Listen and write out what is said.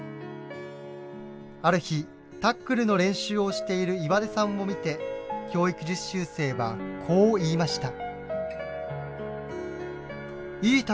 ある日タックルの練習をしている岩出さんを見て教育実習生はこう言いました。